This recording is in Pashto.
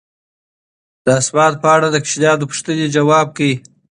د اسمان په اړه د ماشومانو پوښتنې ځواب کړئ.